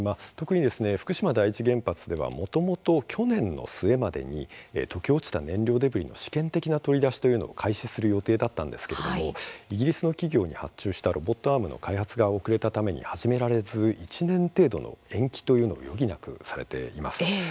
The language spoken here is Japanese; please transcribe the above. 特に福島第一原発ではもともと去年の末までに溶け落ちた燃料デブリの試験的な取り出しを開始する予定だったんですけれどもイギリスの企業に発注したロボットアームの開発が遅れたために始められず１年程度の延期を余儀なくされています。